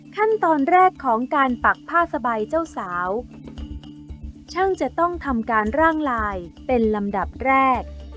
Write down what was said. ขั้นตอนแรกของการปักผ้าสบายเจ้าสาวช่างจะต้องทำการร่างลายเป็นลำดับแรก